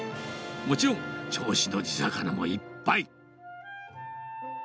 もちろん銚子の地魚もいっぱい。